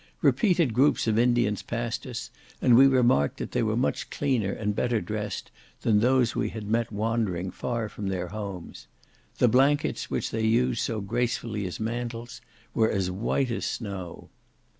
Repeated groups of Indians passed us, and we remarked that they were much cleaner and better dressed than those we had met wandering far from their homes. The blankets which they use so gracefully as mantles were as white as snow.